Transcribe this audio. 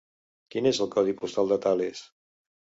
Quin és el codi postal de Tales?